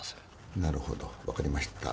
なるほど分かりました。